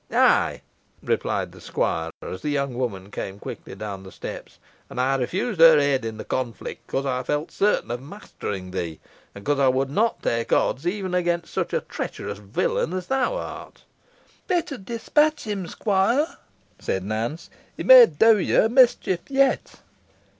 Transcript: "Ay," replied the squire, as the young woman came quickly down the steps, "and I refused her aid in the conflict because I felt certain of mastering thee, and because I would not take odds even against such a treacherous villain as thou art." "Better dispatch him, squire," said Nance; "he may do yo a mischief yet."